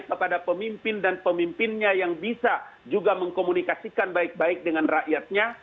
kepada pemimpin dan pemimpinnya yang bisa juga mengkomunikasikan baik baik dengan rakyatnya